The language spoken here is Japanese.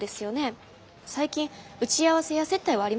最近打ち合わせや接待はありましたか？